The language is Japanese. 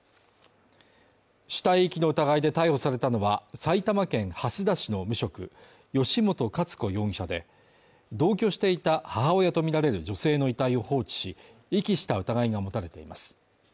死体遺棄の疑いで逮捕されたのは、埼玉県蓮田市の無職吉本克子容疑者で、同居していた母親とみられる女性の遺体を放置し、遺棄した疑いが持たれています。